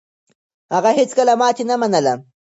هغه هيڅکله ماتې نه منله.